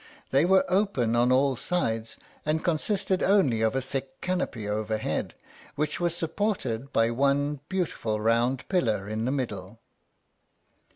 They were open on all sides, and consisted only of a thick canopy overhead, which was supported by one beautiful round pillar in the middle.